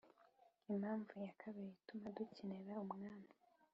Impamvu ya kabiri ituma dukenera Ubwami